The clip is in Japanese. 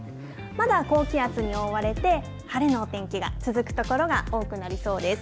まだ高気圧に覆われて、晴れのお天気が続く所が多くなりそうです。